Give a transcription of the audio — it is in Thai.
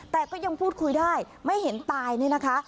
แต่ก็ยังพูดคุยได้ไม่เห็นตายนี่นะคะ